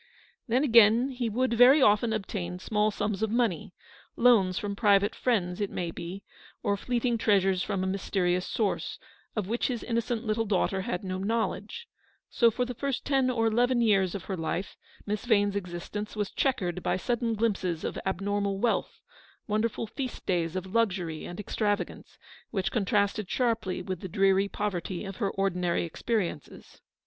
Then, again, he would very often obtain small sums of money, loans from private friends, it may be, or fleeting treasures from a mysterious source, of which his innocent little daughter had no knowledge. So, for the first ten or eleven years of her life, Miss Yane's existence was chequered by sudden glimpses of abnormal wealth — won derful feast days of luxury and extravagance — LIBRARY UAIJVEfiSJTY OF ILLINOIS 52 Eleanor's victory. which contrasted sharply with the dreary poverty of her ordinary experiences.